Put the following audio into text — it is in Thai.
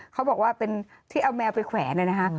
เขาบอกว่าเป็นที่เอาแมวไปแขวนเลยนะคะ